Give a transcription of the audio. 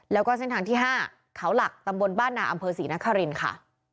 แล้วก็เส้นทางที่๕เขาหลักตำบลบ้านนาอำเภอศรีนครินค่ะ